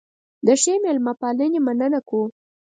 د ښې مېلمه پالنې مننه کوو.